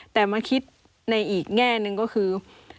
แต่มาคิดในอีกแง่หนึ่งก็คือ